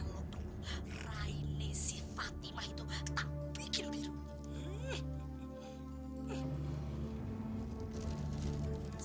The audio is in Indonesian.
kalau tuh raini si fatima itu tak bikin biru